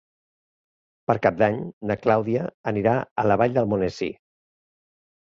Per Cap d'Any na Clàudia anirà a la Vall d'Almonesir.